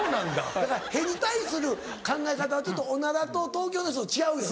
だから屁に対する考え方はおならと東京の人と違うよね。